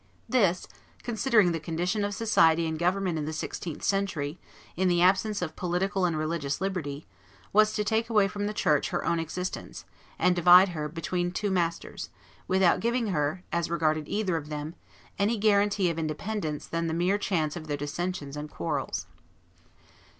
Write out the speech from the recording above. This, considering the condition of society and government in the sixteenth century, in the absence of political and religious liberty, was to take away from the church her own existence, and divide her between two masters, without giving her, as regarded either of them, any other guarantee of independence than the mere chance of their dissensions and quarrels.